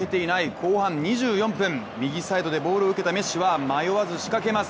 後半２４分、右サイドでボールを受けたメッシは再び仕掛けます。